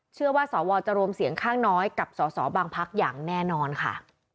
เชื่อว่าสวจะรวมเสียงข้างน้อยกับสสบางพักอย่างแน่นอนค่ะ